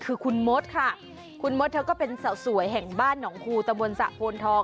คือคุณมดค่ะคุณมดเธอก็เป็นสาวสวยแห่งบ้านหนองคูตะบนสะโพนทอง